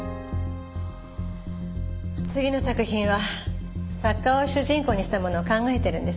次の作品は作家を主人公にしたものを考えてるんです。